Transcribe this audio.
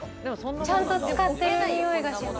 ちゃんと使ってる匂いがします。